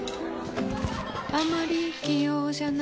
あまり器用じゃないほうです。